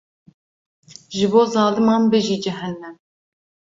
Ji bo zaliman bijî cehennem.